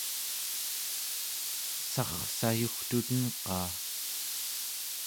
sarrsayugtuten-qaa?